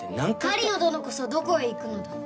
狩野どのこそどこへ行くのだ。